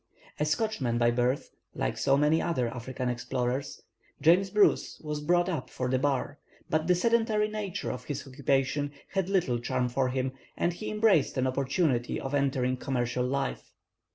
A Scotchman by birth, like so many other African explorers, James Bruce was brought up for the bar; but the sedentary nature of his occupation had little charm for him, and he embraced an opportunity of entering commercial life.